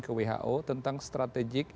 ke who tentang strategik